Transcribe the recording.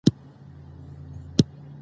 انسانیت تر پیسو مهم دی.